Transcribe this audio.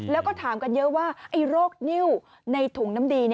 แล้วก็ถามกันเยอะว่าไอ้โรคนิ้วในถุงน้ำดี